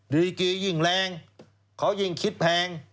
ดีกียิ่งแรงเขายิ่งคิดแพง